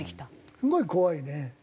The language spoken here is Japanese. すごい怖いね。